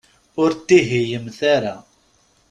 Ur ttihiyemt ara.